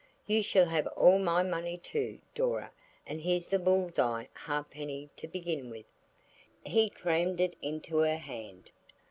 "You shall have all my money too, Dora, and here's the bulls eye halfpenny to begin with." He crammed it into her hand.